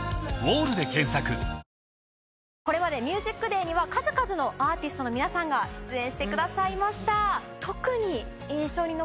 これまで『ＭＵＳＩＣＤＡＹ』には数々のアーティストの皆さんが出演してくださいました。